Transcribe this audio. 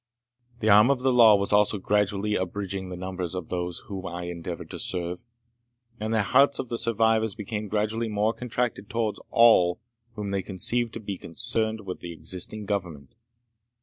The arm of the law was also gradually abridging the numbers of those whom I endeavoured to serve, and the hearts of the survivors became gradually more contracted towards all whom they conceived to be concerned with the existing Government.